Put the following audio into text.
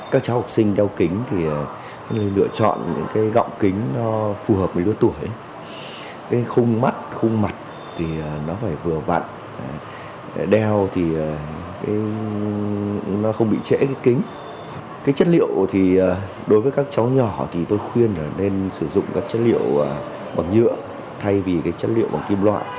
chất liệu bằng nhựa thay vì chất liệu bằng kim loại